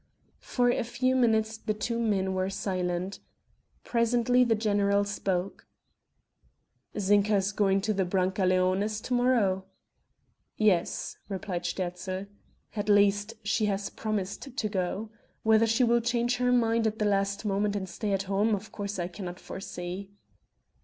For a few minutes the two men were silent. Presently the general spoke: "Zinka is going to the Brancaleones' to morrow?" "Yes," replied Sterzl; "at least, she has promised to go. Whether she will change her mind at the last moment and stay at home, of course I cannot foresee."